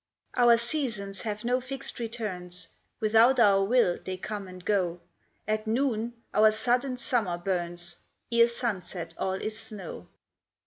Our seasons have no fixed returns, Without our will they come and go; At noon our sudden summer burns, Ere sunset all is snow.